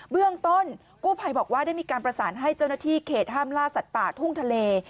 เรื่องต้นกู้ภัยบอกว่าได้มีการประสานให้เจ้าหน้าที่เขตห้ามล่าสัตว์ป่าทุ่งทะเล